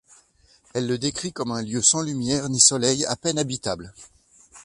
Elle le décrit comme un lieu sans lumière ni soleil, à peine habitable.